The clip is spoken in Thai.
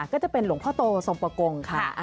ก็จะเป็นหลวงพ่อโตสมปกงค์ค่ะ